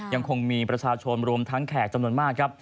ยังคงมีประชาชนรวมทั้งแขกจำนวนมากครับ